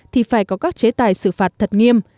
thì phải có các chế tài xử phạt thật nghiêm